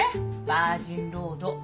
バージンロード。